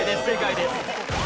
正解です。